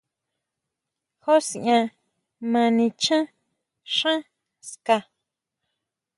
¿Jusian ma nichán xán ska?